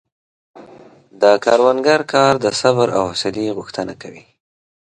د کروندګر کار د صبر او حوصلې غوښتنه کوي.